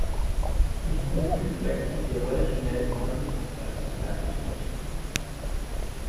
Il conclut que l'activité relationnelle est indispensable à la consommation.